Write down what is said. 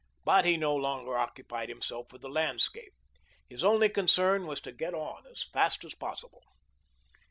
But he no longer occupied himself with the landscape. His only concern was to get on as fast as possible.